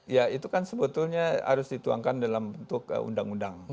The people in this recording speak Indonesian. ya itu kan sebetulnya harus dituangkan dalam bentuk undang undang